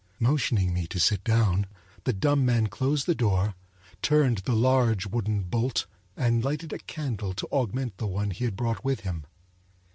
Motioning me to sit down, the dumb man closed the door, turned the large wooden bolt, and lighted a candle to augment the one he had brought with him.